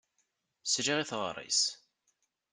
Sliɣ i teɣṛi-s.